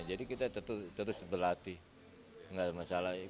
jadi kita tetap terus berlatih enggak ada masalah